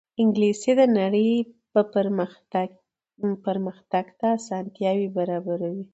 انګلیسي د نړۍ پرمخ تګ ته اسانتیا برابروي